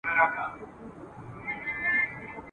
ورور شهید ورور یې قاتل دی د لالا په وینو سور دی ..